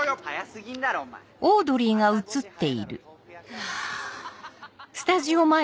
ハァ。